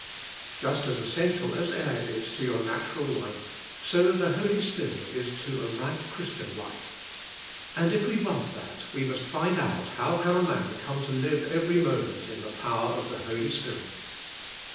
Just as essential as air is to your natural life, so the Holy Spirit is to a right Christian life; and, if vv^e want that, we must find out how can a man come to live every moment in the power of the Holy Spirit.